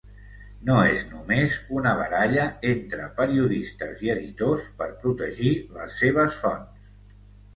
No és només una baralla entre periodistes i editors per protegir les seves fonts.